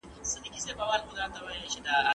ملي غرور زیات شو.